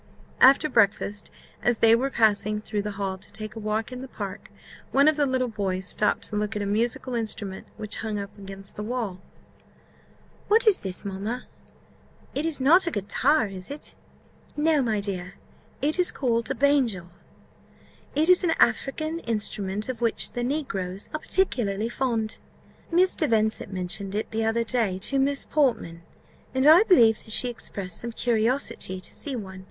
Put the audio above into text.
After breakfast, as they were passing through the hall to take a walk in the park, one of the little boys stopped to look at a musical instrument which hung up against the wall. "What is this, mamma? It is not a guitar, is it?" "No, my dear, it is called a banjore; it is an African instrument, of which the negroes are particularly fond. Mr. Vincent mentioned it the other day to Miss Portman, and I believe she expressed some curiosity to see one.